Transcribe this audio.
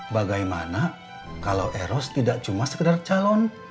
bagaimana kalau eros tidak cuma sekedar calon